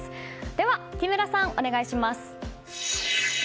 では、木村さんお願いします。